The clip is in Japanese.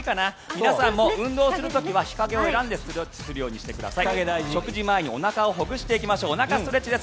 皆さんも運動する時は日陰を選んでストレッチをするようにしてください。